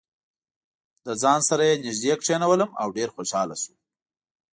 له ځان سره یې نژدې کېنولم او ډېر خوشاله شو.